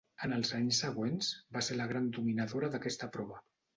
En els anys següents va ser la gran dominadora d'aquesta prova.